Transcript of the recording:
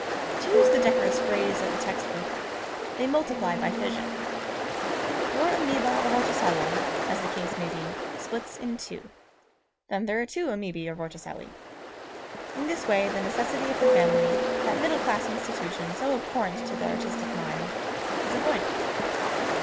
To use the decorous phrase of the text book, "They multiply by fission." Your amoeba or vorticella, as the case may be, splits in two. Then there are two amoebæ or vorticellæ. In this way the necessity of the family, that middle class institution so abhorrent to the artistic mind, is avoided.